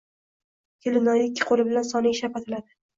Kelinoyi ikki qo‘li bilan soniga shapatiladi.